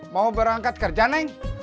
mau berangkat kerja neng